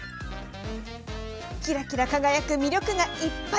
キラキラ輝く魅力がいっぱい。